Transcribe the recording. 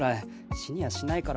死にやしないから。